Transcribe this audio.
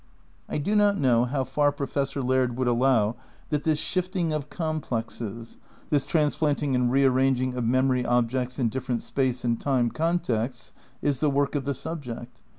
I do not know how far Professor Laird would allow that this shifting of com plexes, this transplanting and rearranging of memory objects in different space and time contexts is the work of the subject.